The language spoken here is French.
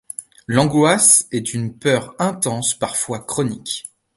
L'angoisse est une peur intense, parfois chronique.